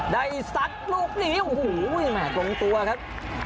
ได้สัตว์ลูกหนีโอ้โหวิ่งมาตรงตัวครับ